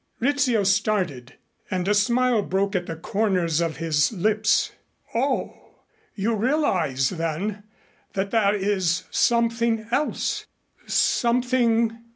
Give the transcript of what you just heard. Rizzio started and a smile broke at the corners of his lips. "Oh! You realize, then, that there is something else something